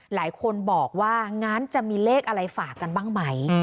หลายคนบอกว่างั้นจะมีเลขอะไรฝากกันบ้างไหม